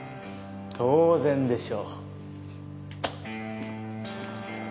当然でしょ。